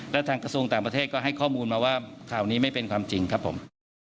และทางกระทรวงต่างประเทศก็ให้ข้อมูลมาว่าข่าวนี้ไม่เป็นความจริงครับผม